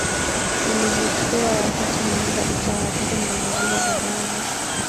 ilivyokuwa wakati mmoja Licha ya athari mbalimbali za dawa za